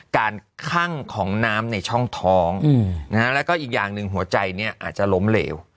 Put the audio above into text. คั่งของน้ำในช่องท้องแล้วก็อีกอย่างหนึ่งหัวใจเนี่ยอาจจะล้มเหลว